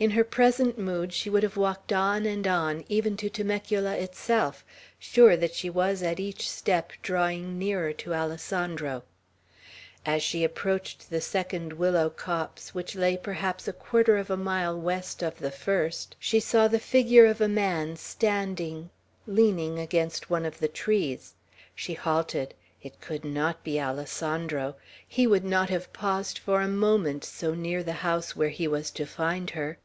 In her present mood she would have walked on and on, even to Temecula itself, sure that she was at each step drawing nearer to Alessandro. As she approached the second willow copse, which lay perhaps a quarter of a mile west of the first, she saw the figure of a man, standing, leaning against one of the trees. She halted. It could not be Alessandro. He would not have paused for a moment so near the house where he was to find her.